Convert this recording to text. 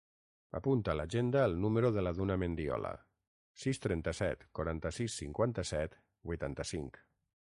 Apunta a l'agenda el número de la Duna Mendiola: sis, trenta-set, quaranta-sis, cinquanta-set, vuitanta-cinc.